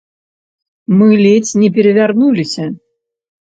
Мы ледзь не перавярнуліся.